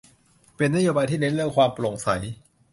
เป็นนโยบายที่เน้นเรื่องความโปร่งใส